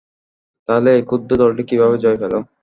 তাহলে এই ক্ষুদ্র দলটি কিভাবে জয় পেল।